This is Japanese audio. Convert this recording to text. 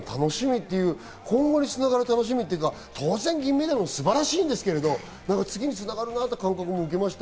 今後に繋がる楽しみというか、当然、銀メダルも素晴らしいんですけど、次に繋がるなって感覚を受けました。